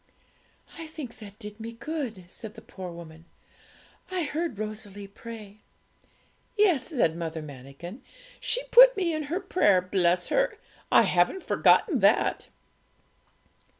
'I think that did me good,' said the poor woman; 'I heard Rosalie pray.' 'Yes,' said Mother Manikin; 'she put me in her prayer, bless her! I haven't forgotten that!'